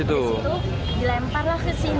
disitu dilemparlah kesini